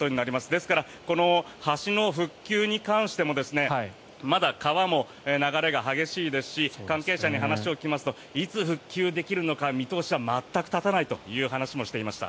ですから、橋の復旧に関してもまだ川も流れが激しいですし関係者に話を聞きますといつ復旧できるのか見通しは全く立たないという話もしていました。